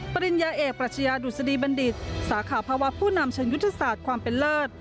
ปริญญาเอกปรัชญาดุษฎีบัณฑิตสาขาภาวะผู้นำเชิงยุทธศาสตร์ความเป็นเลิศ